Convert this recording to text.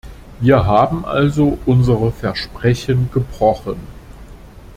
Wir haben also unsere Versprechen gebrochen.